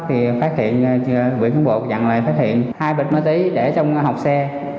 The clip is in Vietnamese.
thì phát hiện huyện hồng bộ dặn lại phát hiện hai bịch ma túy để trong hộp xe